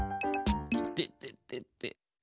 いてててて。